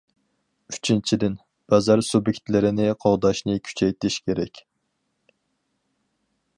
ئۈچىنچىدىن، بازار سۇبيېكتلىرىنى قوغداشنى كۈچەيتىش كېرەك.